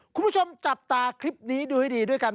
คุณผู้ชมจับตาคลิปนี้ดูให้ดีด้วยกัน